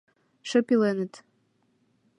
Шып иленыт.